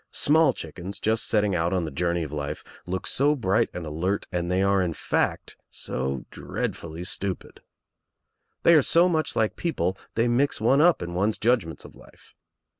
Small chickens, just setting out on the journey of life, look so bright and alert and they are in fact so dreadfully stupid. . They are so much like people they mix one up in one's judgments of life.